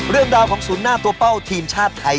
เรื่องราวของศูนย์หน้าตัวเป้าทีมชาติไทย